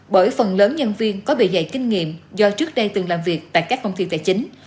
bởi phần lớn nhân viên có bề dạy kinh nghiệm do trước đây từng làm việc tại các công ty tài chính